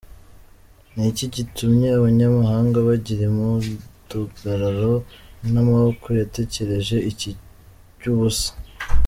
Ni iki gitumye abanyamahanga bagira imidugararo? N’amoko yatekerereje iki iby’ubusa?